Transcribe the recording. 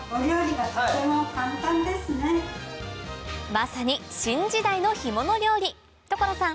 まさに新時代の干物料理所さん